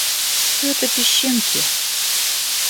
Всё это песчинки.